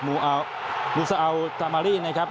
อูซาเอาตามารี่นะครับ